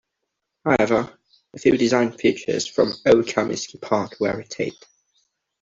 However, a few design features from old Comiskey Park were retained.